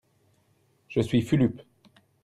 Je suis Fulup.